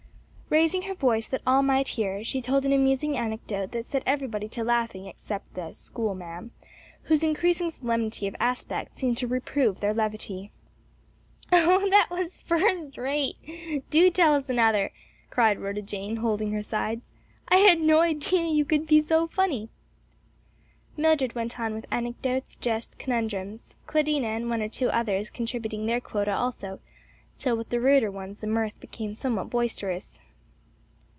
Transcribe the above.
Raising her voice that all might hear, she told an amusing anecdote that set everybody to laughing except the "schoolma'am," whose increasing solemnity of aspect seemed to reprove their levity. "Oh, that was first rate! do tell us another," cried Rhoda Jane, holding her sides. "I had no idea you could be so funny." Mildred went on with anecdotes, jests, conundrums, Claudina and one or two others contributing their quota also, till with the ruder ones the mirth became somewhat boisterous.